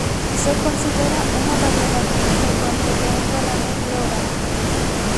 Se considera una variedad infrecuente de derrame pleural.